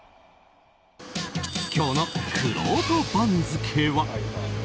今日のくろうと番付は。